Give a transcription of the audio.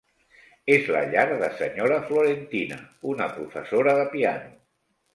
És la llar de senyora Florentina, una professora de piano.